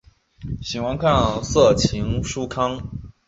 喜欢看色情书刊。